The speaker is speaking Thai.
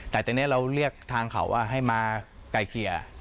แต่ตอนนี้เราเรียกทางเขาให้มาไกลเกลี่ย